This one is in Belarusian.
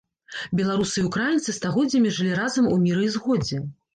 Беларусы і ўкраінцы стагоддзямі жылі разам у міры і згодзе.